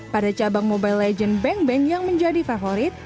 pada cabang mobile legends bang bang yang menjadi favorit